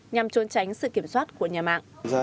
nhằm trôn tránh sự kiểm soát của nhà mạng